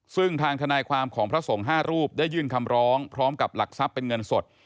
ซึ่งทางทนายความของพระสงฆ์๕รูปได้ยื่นคำร้องพร้อมกับหลักทรัพย์เป็นเงินสด